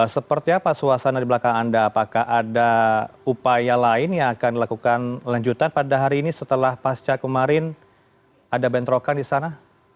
seperti apa suasana di belakang anda apakah ada upaya lain yang akan dilakukan lanjutan pada hari ini setelah pasca kemarin ada bentrokan di sana